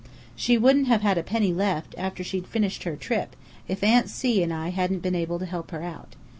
She wouldn't have had a penny left, after she'd finished her trip, if Aunt C. and I hadn't been able to help her out.